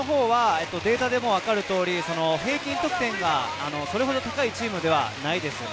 宇都宮はデータでもわかる通り、平均得点がそれほど高いチームではないです。